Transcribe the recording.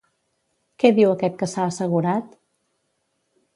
Què diu aquest que s'ha assegurat?